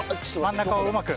真ん中をうまく。